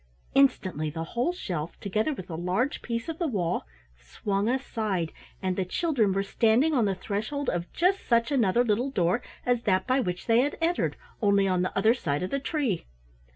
Instantly the whole shelf, together with a large piece of the wall, swung aside, and the children were standing on the threshold of just such another little door as that by which they had entered, only on the other side of the tree.